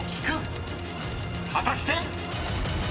［果たして⁉］